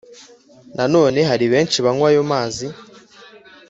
nanone hari benshi banywa ayo mazi